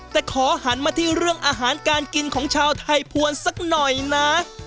แต่ขอหันมาที่เรื่องอาหารการกินของชาวไทยภวรสักหน่อยนะ